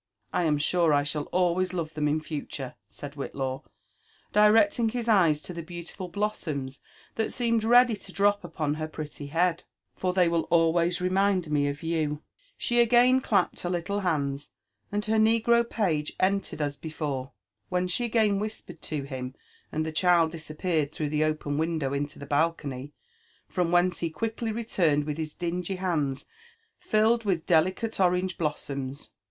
''I am sure I shall always love them in future," said Whitlaw, directing his eyes to the beautiful blossoms that seemed ready to drop upon her pretty head, for they will always remind me of you." JONATHAN JEFFERSON WHITLAW. Sl| She again clapped her liltle hands, and her negro page entered as before, when she again whispered to him, and the child disappeared through the open window into the balcony, from whence he quickly returned with his dingy hands filled^ wilh delicate orange blossoms.